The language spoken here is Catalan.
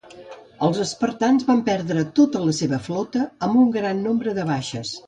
Els espartans van perdre tota la seva flota, amb un gran nombre de baixes.